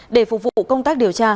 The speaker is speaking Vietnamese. để phục vụ công tác điều tra